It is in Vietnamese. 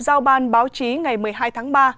giao ban báo chí ngày một mươi hai tháng ba